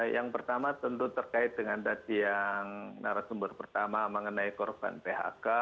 yang pertama tentu terkait dengan tadi yang narasumber pertama mengenai korban phk